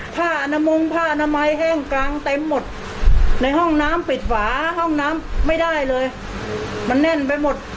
ผ้าอนามงผ้าอนามัยแห้งกลางเต็มหมดในห้องน้ำปิดฝาห้องน้ำไม่ได้เลยมันแน่นไปหมด